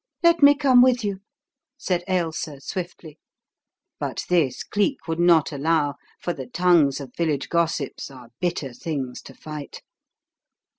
"Let me come with you," said Ailsa iwiftly. But this Cleek would not allow, for the tongues of village gossips are bitter things to fight.